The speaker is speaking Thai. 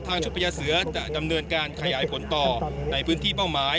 ชุดพญาเสือจะดำเนินการขยายผลต่อในพื้นที่เป้าหมาย